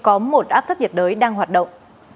có một áp thấp nhiệt đới đang hoạt động